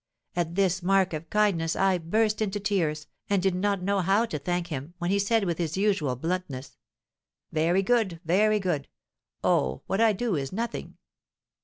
At this mark of kindness I burst into tears, and did not know how to thank him, when he said, with his usual bluntness, 'Very good, very good; oh, what I do is nothing!'